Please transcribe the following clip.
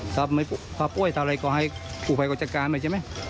ถ้าพระปุ๊ยทาอะไรก็ให้รูไฟก่อนจัดการไหมใช่ไหม